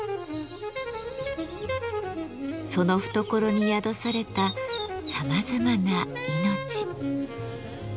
その懐に宿されたさまざまな命。